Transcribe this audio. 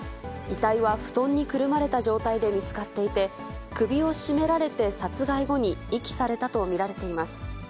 遺体は布団にくるまれた状態で見つかっていて、首を絞められて殺害後に遺棄されたと見られています。